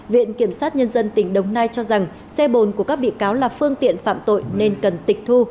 viện kiểm sát nhân dân tỉnh đồng nai cho rằng xe bồn của các bị cáo là phương tiện phạm tội nên cần tịch thu